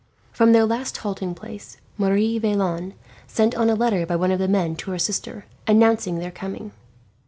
From their last halting place, Marie Vaillant sent on a letter by one of the men to her sister, announcing their coming.